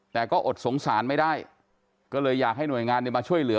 แต่ก็อดสงสารไม่ได้ก็เลยอยากให้หน่วยงานมาช่วยเหลือ